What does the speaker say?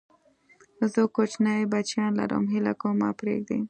زه کوچني بچيان لرم، هيله کوم ما پرېږدئ!